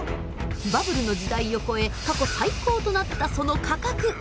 バブルの時代を超え過去最高となったその価格。